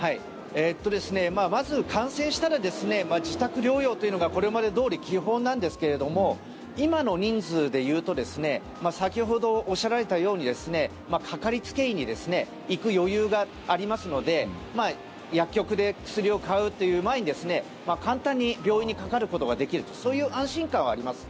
まず感染したら自宅療養というのがこれまでどおり基本なんですけれども今の人数でいうと先ほどおっしゃられたようにかかりつけ医に行く余裕がありますので薬局で薬を買うという前に簡単に病院にかかることができるそういう安心感はあります。